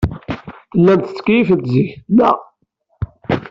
Tellamt tettkeyyifemt zik, naɣ?